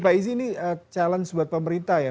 pak izi ini challenge buat pemerintah ya